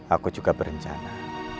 aku juga berencana